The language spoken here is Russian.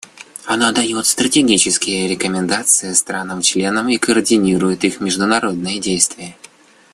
Она дает стратегические рекомендации странам-членам и координирует их международные действия.